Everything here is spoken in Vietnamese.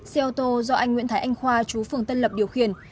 xe ô tô do anh nguyễn thái anh khoa chú phường tân lập điều khiển